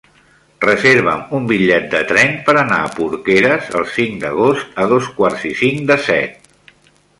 Reserva'm un bitllet de tren per anar a Porqueres el cinc d'agost a dos quarts i cinc de set.